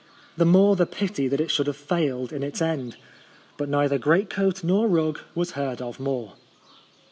The more the pity that it should have failed in its end. But neither greatcoat nor rug was heard of more.